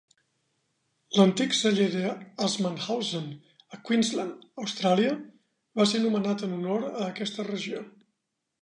L'antic celler de Assmanshausen, a Queensland, Austràlia, va ser nomenat en honor a aquesta regió.